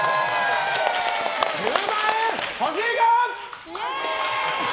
１０万円欲しいかー！